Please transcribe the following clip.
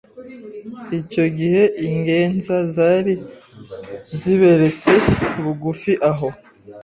icyo gihe ingenza zari ziberetse bugufi aho